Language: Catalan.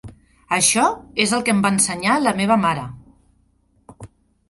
Això és el que em va ensenyar la meva mare.